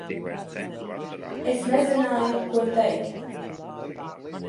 Es nezināju, ko teikt.